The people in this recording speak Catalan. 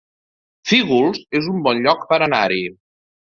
Fígols es un bon lloc per anar-hi